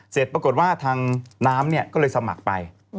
เสร็จปรากฏว่าทางน้ำก็เลยสมัครไป